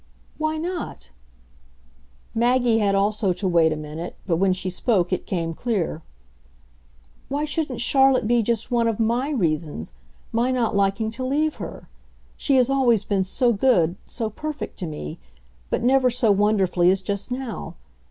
"Why not?" Maggie had also to wait a minute, but when she spoke it came clear. "Why shouldn't Charlotte be just one of MY reasons my not liking to leave her? She has always been so good, so perfect, to me but never so wonderfully as just now.